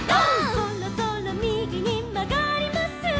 「そろそろひだりにまがります」